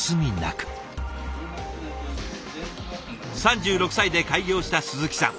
３６歳で開業した鈴木さん。